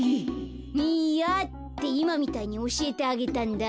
ミアっていまみたいにおしえてあげたんだ。